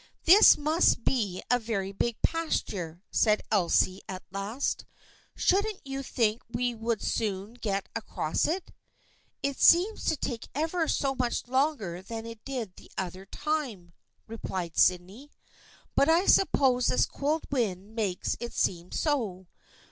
" This must be a very big pasture,'' said Elsie at last. " Shouldn't you think we would soon get across it ?"" It seems to take ever so much longer than it did that other time," replied Sydney, " but I sup pose this cold wind makes it seem so.